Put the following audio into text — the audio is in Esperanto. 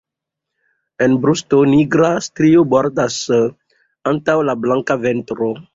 En brusto nigra strio bordas antaŭ la blanka ventro.